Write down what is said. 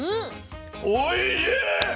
おいしい！